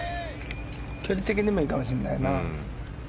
距離的にもいいかもしれないな。